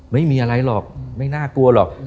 ไม่มีอะไรหรอกไม่น่ากลัวหรอก